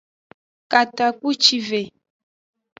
Katakpucive.